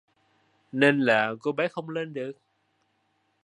nên là con bé không lên được